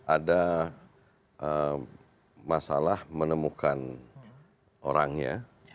ada masalah menemukan orangnya